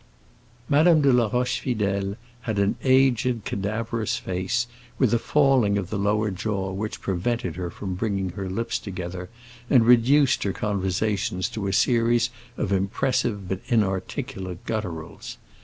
Madame de la Rochefidèle had an aged, cadaverous face, with a falling of the lower jaw which prevented her from bringing her lips together, and reduced her conversations to a series of impressive but inarticulate gutturals.